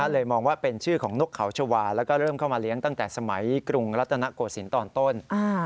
เลยมองว่าเป็นชื่อของนกเขาชาวาแล้วก็เริ่มเข้ามาเลี้ยงตั้งแต่สมัยกรุงรัตนโกศิลป์ตอนต้น